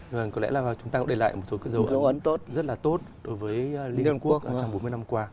vâng có lẽ là chúng ta cũng để lại một số dấu ấn rất là tốt đối với liên hiệp quốc trong bốn mươi năm qua